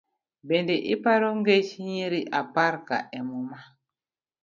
Bende iparo ngech nyiri aparka emuma?